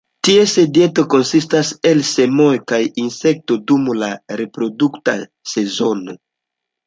Ties dieto konsistas el semoj, kaj insekto dum la reprodukta sezono.